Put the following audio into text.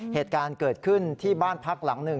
เหตุการณ์เกิดขึ้นที่บ้านพักหลังหนึ่ง